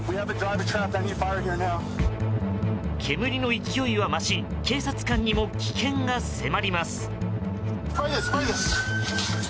煙の勢いは増し警察官にも危険が迫ります。